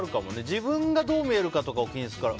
自分がどう見えるかとかを気にするから。